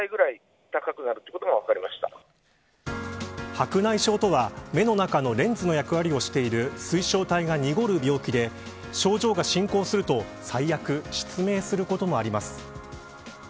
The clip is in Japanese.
白内障とは目の中のレンズの役割をしている水晶体が濁る病気で症状が進行すると最悪、失明することもあります。